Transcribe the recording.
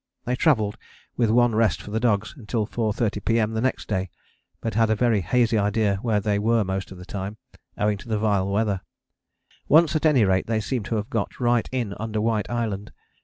They travelled, with one rest for the dogs, until 4.30 P.M. the next day, but had a very hazy idea where they were most of the time, owing to the vile weather: once at any rate they seem to have got right in under White Island.